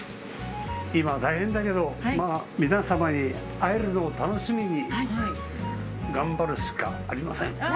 今は大変だけど皆様に会えるのを楽しみに頑張るしかありません。